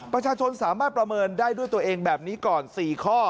ประชาชนสามารถประเมินได้ด้วยตัวเองแบบนี้ก่อน๔ข้อ